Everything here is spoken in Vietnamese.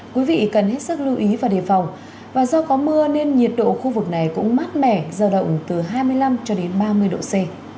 quý vị cần hết sức lưu ý và đề phòng và do có mưa nên nhiệt độ khu vực này cũng mát mẻ giao động từ hai mươi năm cho đến ba mươi độ c